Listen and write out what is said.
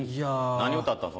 何歌ったん？